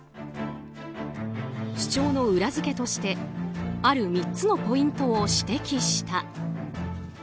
主張の裏付けとしてある３つのポイントを指摘した。